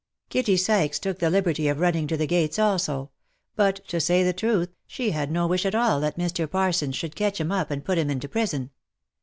Kitty Sykes took the liberty of running to the gates also ; but to say the truth, she had no wish at all that Mr. Parsons should catch him up, and put him into prison.